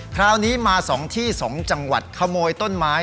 คราวนี้มา๒ที่๒จังหวัดขโมยต้นไม้